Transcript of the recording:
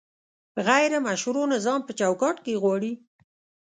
غیر مشروع نظام په چوکاټ کې غواړي؟